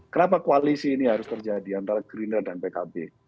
kenapa koalisi ini harus terjadi antara gerindra dan pkb